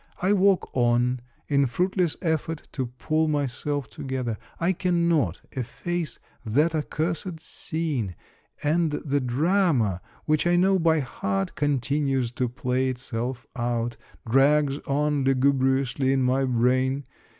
I walk on, in fruitless effort to pull myself together ; I cannot efface that accursed scene, and the drama, which I know by heart, continues to play itself out, — drags on lugubriously in my brain.